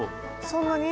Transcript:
そんなに？